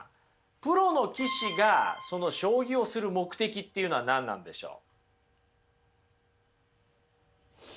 プロの棋士がその将棋をする目的っていうのは何なんでしょう？